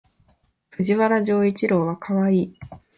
藤原丈一郎はかわいい